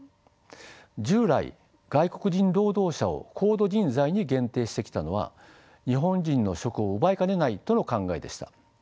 従来外国人労働者を高度人材に限定してきたのは日本人の職を奪いかねないとの考えでした。